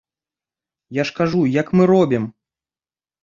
Я ж кажу, як мы робім?